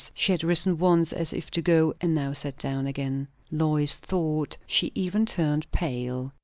She had risen once as if to go, and now sat down again. Lois thought she even turned pale.